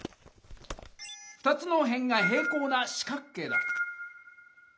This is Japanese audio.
２つの辺が平行な四角形だ。